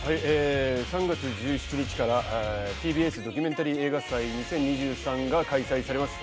３月１７日からＴＢＳドキュメンタリー映画祭２０２３が開催されます